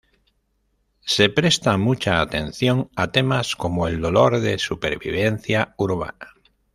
Se presta mucha atención a temas como el dolor de supervivencia urbana.